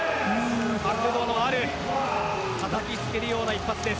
角度のあるたたきつけるような一発です。